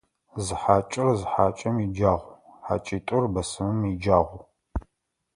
Зы хьакӀэр зы хьакӀэм иджагъу, хьакӀитӀур бысымым иджагъу.